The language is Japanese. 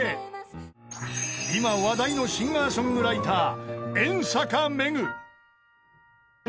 ［今話題のシンガーソングライター］